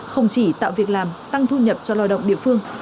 không chỉ tạo việc làm tăng thu nhập cho lao động địa phương